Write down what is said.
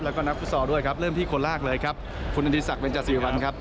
แล้วก็นักฟุตซอลด้วยครับเริ่มที่คนแรกเลยครับคุณอดีศักดิเบนจาสีวันครับ